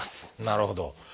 なるほど。